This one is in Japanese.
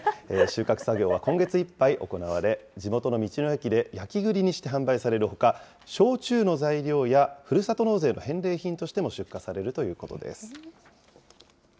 収穫作業は今月いっぱい行われ、地元の道の駅で、焼きぐりにして販売されるほか、焼酎の材料や、ふるさと納税の返礼品としても出荷されるということです。